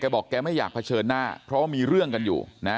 บอกแกไม่อยากเผชิญหน้าเพราะว่ามีเรื่องกันอยู่นะ